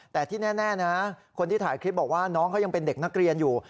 แต่ที่แน่นะคนที่ถ่ายคลิปบอกว่าน้องเขายังเป็นเด็กนักเรียนอยู่